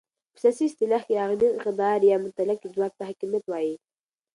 په سیاسي اصطلاح کې اعلی اقتدار یا مطلق ځواک ته حاکمیت وایې.